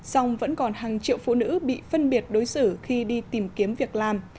song vẫn còn hàng triệu phụ nữ bị phân biệt đối xử khi đi tìm kiếm việc làm